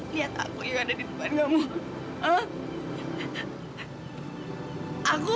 lihat aku juga ada di depan kamu